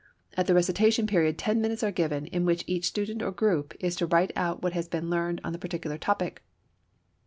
At the recitation period ten minutes are given in which each student or group is to write out what has been learned on the particular topic.